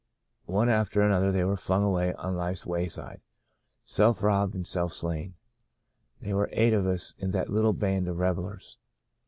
One after another they were flung away on life's wayside — self robbed and self slain. There were eight of us in that little band of revellers.